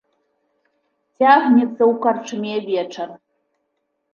Цягнецца ў карчме вечар.